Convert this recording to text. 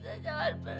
krisna jangan pergi